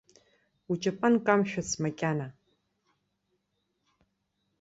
Уҷапан хымшәац макьана!